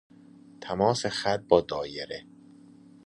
تماس خط با دائره